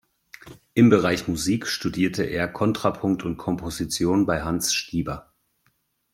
Im Bereich Musik studierte er Kontrapunkt und Komposition bei Hans Stieber.